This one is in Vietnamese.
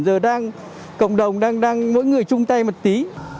giờ đang cộng đồng đang đang mỗi người chung tay một tí